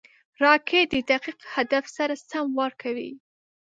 راکټ د دقیق هدف سره سم وار کوي